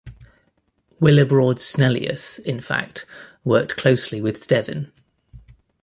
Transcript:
Willebrord Snellius, in fact, worked closely with Stevin.